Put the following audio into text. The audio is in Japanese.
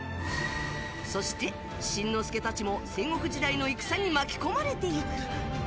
そして、しんのすけたちも戦国時代の戦に巻き込まれていく。